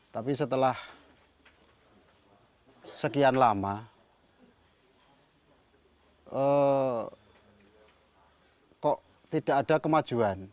tapi setelah sekian lama kok tidak ada kemajuan